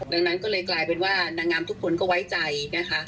ดังนั้นก็เลยกลายเป็นว่านางงามทุกคนก็ไว้ใจนะคะ